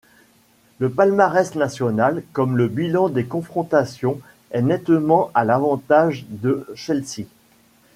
Le palmarès national comme le bilan des confrontations est nettement à l'avantage de Chelsea.